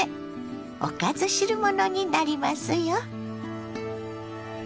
おかず汁物になりますよ。